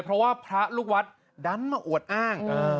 เพราะว่าพระลูกวัดดันมาอวดอ้าง